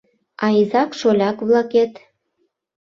А изак-шоляк-влакет